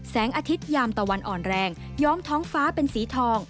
อาทิตยามตะวันอ่อนแรงย้อมท้องฟ้าเป็นสีทอง